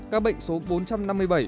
các bệnh số bốn trăm năm mươi bảy